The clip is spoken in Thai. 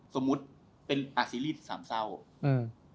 สมมุติเป็นอาซีรีส์สามเศร้าอืม